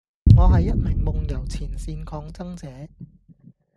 我係一名夢遊前線抗爭者